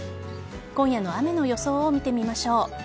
今夜の雨の予想を見てみましょう。